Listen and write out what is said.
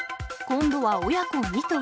今度は親子２頭。